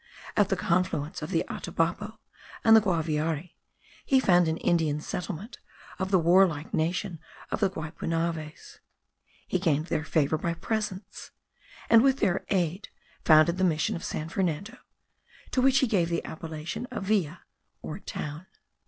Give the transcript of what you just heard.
At the confluence of the Atabapo and the Guaviare he found an Indian settlement of the warlike nation of the Guaypunaves. He gained their favour by presents, and with their aid founded the mission of San Fernando, to which he gave the appellation of villa, or town.